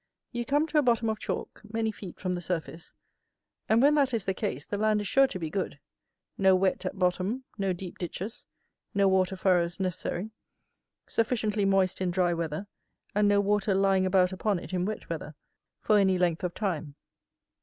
You come to a bottom of chalk, many feet from the surface, and when that is the case the land is sure to be good; no wet at bottom, no deep ditches, no water furrows necessary; sufficiently moist in dry weather, and no water lying about upon it in wet weather for any length of time.